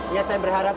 ya saya berharap